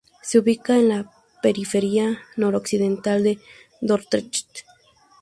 Se ubica en la periferia noroccidental de Dordrecht.